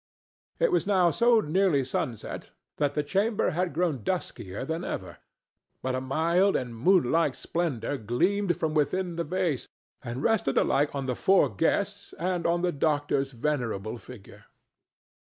It was now so nearly sunset that the chamber had grown duskier than ever, but a mild and moonlike splendor gleamed from within the vase and rested alike on the four guests and on the doctor's venerable figure.